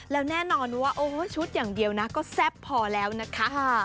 แล้วแน่นอนว่าโอ้ชุดอย่างเดียวนะก็แซ่บพอแล้วนะคะ